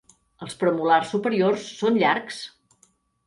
Els premolars superiors són llargs.